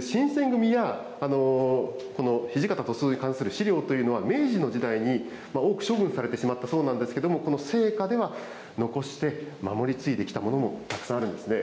新選組やこの土方歳三に関する史料というのは、明治の時代に多く処分されてしまったそうなんですが、この生家では残して、守り継いできたものもたくさんあるんですね。